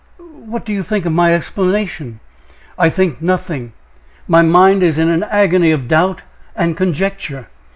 What do you think of my explanation?" "I think nothing. My mind is in an agony of doubt and conjecture.